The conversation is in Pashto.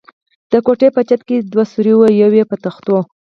د کوټې په چت کې دوه سوري و، یو یې په تختو.